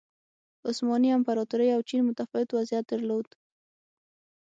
عثماني امپراتورۍ او چین متفاوت وضعیت درلود.